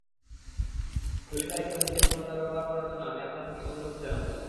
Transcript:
খলিফা হিসেবে নিজের ক্ষমতা ব্যবহার করার জন্য আমি আপনার প্রতি অনুরোধ জানাচ্ছি।